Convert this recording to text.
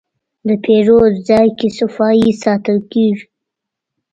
د پیرود ځای کې صفایي ساتل کېږي.